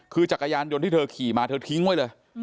คือจักรยานยนต์ที่เธอขี่มาเธอทิ้งไว้เลย